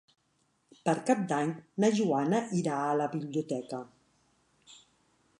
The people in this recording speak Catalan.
Per Cap d'Any na Joana irà a la biblioteca.